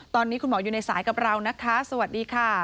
ตอนนี้คุณหมออยู่ในสายกับเรานะคะสวัสดีค่ะ